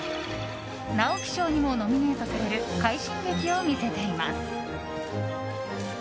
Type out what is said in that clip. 直木賞にもノミネートされる快進撃を見せています。